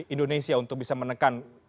indonesia untuk bisa menekan